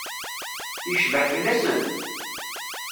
Yecbeḥ fell-asent?